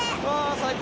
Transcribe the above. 最高！